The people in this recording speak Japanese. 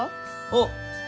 あっ！